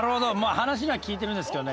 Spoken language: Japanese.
話には聞いてるんですけどね。